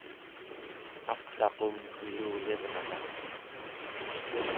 aqsaqum ilulirnera